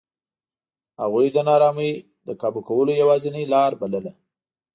هغوی د نارامۍ د کابو کولو یوازینۍ لار بلله.